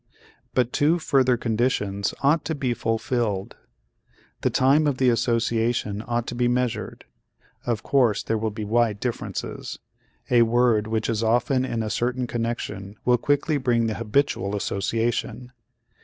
But two further conditions ought to be fulfilled. The time of the association ought to be measured. Of course there will be wide differences. A word which is often in a certain connection will quickly bring the habitual association.